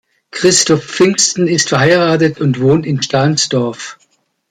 Christoph Pfingsten ist verheiratet und wohnt in Stahnsdorf.